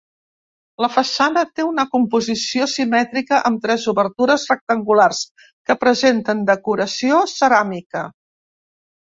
La façana té una composició simètrica, amb tres obertures rectangulars que presenten decoració ceràmica.